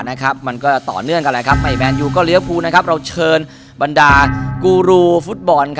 ในแบรนด์อยู่ก็ลี้ลภูมิเราเชิญบรรดากูรูฟุตบอล